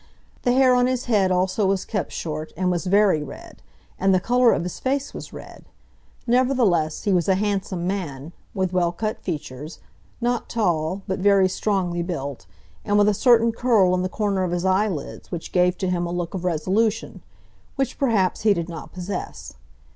The hair on his head also was kept short, and was very red, and the colour of his face was red. Nevertheless he was a handsome man, with well cut features, not tall, but very strongly built, and with a certain curl in the corner of his eyelids which gave to him a look of resolution, which perhaps he did not possess.